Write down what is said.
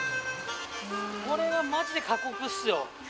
これはまじで過酷っすよ。